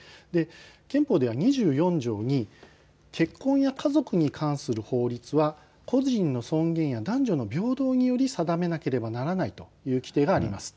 憲法では２４条に結婚や家族に関する法律は個人の尊厳や男女の平等により定めなければならないという規定があります。